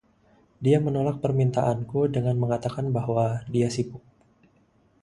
Dia menolak permintaanku dengan mengatakan bahwa dia sibuk.